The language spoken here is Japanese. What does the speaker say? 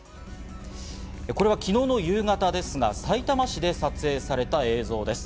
これは昨日の夕方ですが、さいたま市で撮影された映像です。